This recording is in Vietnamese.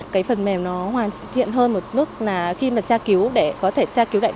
cái phần mềm nó hoàn thiện hơn một lúc là khi mà tra cứu để có thể tra cứu lại